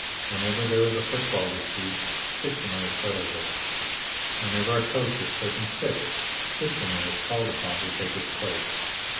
Whenever there is a football dispute Tichenor settles it. Whenever a coach is taken sick, Tichenor is called upon to take his place.